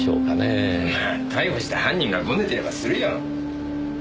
まあ逮捕した犯人がごねてればするよ。